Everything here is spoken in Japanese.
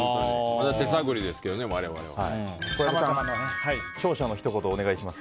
まだ手探りですからね、我々は。